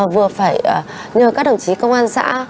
vừa phải nhờ các đồng chí công an xã